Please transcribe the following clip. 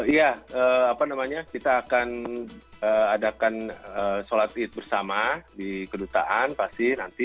iya apa namanya kita akan adakan sholat id bersama di kedutaan pasti nanti